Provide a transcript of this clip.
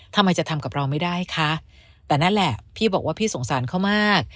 ทำไมจะทำกับเราไม่ได้คะแต่นั่นแหละพี่บอกว่าพี่สงสารเขามาก